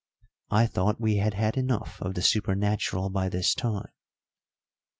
I thought we had had enough of the supernatural by this time.